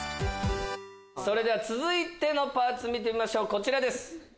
続いてのパーツ見てみましょうこちらです。